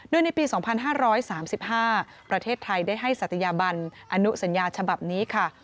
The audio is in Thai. โดยในปี๒๕๓๕ประเทศไทยได้ให้ศัตยาบันอนุสัญญาฉบับนี้ค่ะ